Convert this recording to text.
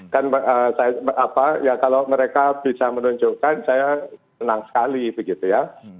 kan apa ya kalau mereka bisa menunjukkan saya senang sekali begitu ya